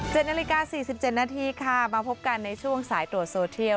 เจ็ดนาฬิกา๔๗นาทีค่ะมาพบกันในช่วงสายตรวจโซเทียล